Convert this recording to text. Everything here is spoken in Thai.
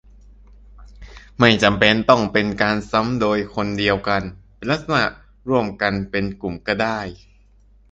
ไม่จำเป็นต้องเป็นการซ้ำโดยคนเดียวกัน-เป็นลักษณะร่วมกันเป็นกลุ่มก็ได้